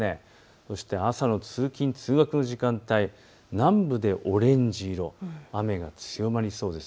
そして朝の通勤通学の時間帯、南部でオレンジ色、雨が強まりそうです。